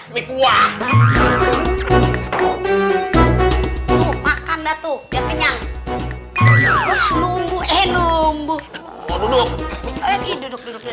makanda tuh kenyang nunggu nunggu